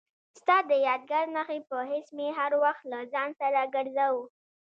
ستا د یادګار نښې په حیث مې هر وخت له ځان سره ګرځاوه.